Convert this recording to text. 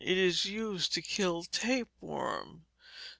It is used to kill tapeworm.